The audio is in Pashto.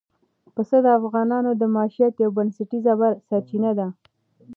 پسه د افغانانو د معیشت یوه بنسټیزه سرچینه ده.